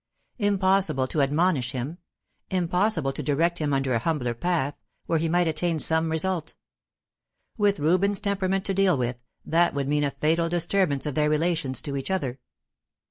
Impossible to admonish him; impossible to direct him on a humbler path, where he might attain some result. With Reuben's temperament to deal with, that would mean a fatal disturbance of their relations to each other.